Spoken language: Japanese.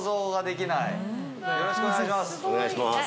よろしくお願いします！